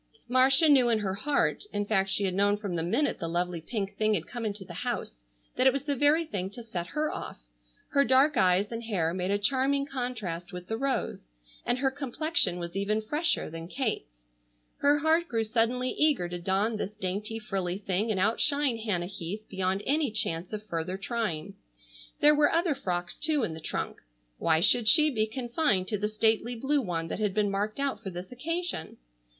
Marcia knew in her heart, in fact she had known from the minute the lovely pink thing had come into the house, that it was the very thing to set her off. Her dark eyes and hair made a charming contrast with the rose, and her complexion was even fresher than Kate's. Her heart grew suddenly eager to don this dainty, frilley thing and outshine Hannah Heath beyond any chance of further trying. There were other frocks, too, in the trunk. Why should she be confined to the stately blue one that had been marked out for this occasion?